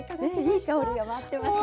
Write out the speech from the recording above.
いい香りが回ってますね。